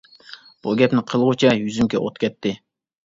بۇ گەپنى قىلغۇچە يۈزۈمگە ئوت كەتتى.